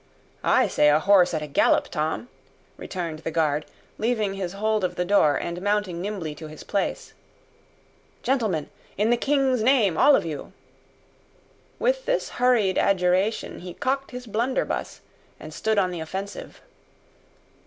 "I say a horse at a gallop, Tom," returned the guard, leaving his hold of the door, and mounting nimbly to his place. "Gentlemen! In the king's name, all of you!" With this hurried adjuration, he cocked his blunderbuss, and stood on the offensive.